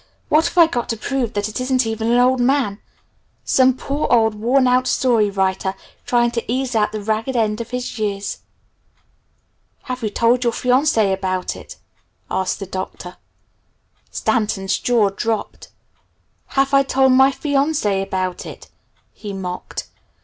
what have I got to prove that it isn't even an old man some poor old worn out story writer trying to ease out the ragged end of his years?" [Illustration: Some poor old worn out story writer] "Have you told your fiancée about it?" asked the Doctor. Stanton's jaw dropped. "Have I told my fiancée about it?" he mocked.